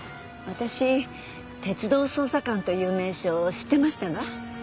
私鉄道捜査官という名称知ってましたが？